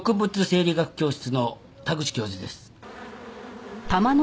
生理学教室の田口教授です。